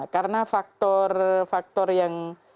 karena faktor faktor yang